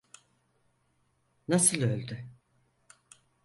Nasıl öldü?